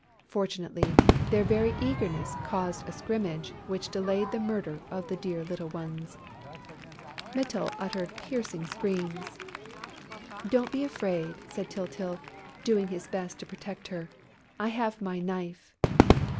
Fortunately, their very eagerness caused a scrimmage which delayed the murder of the dear little ones. Mytyl uttered piercing screams. "Don't be afraid," said Tyltyl, doing his best to protect her. "I have my knife."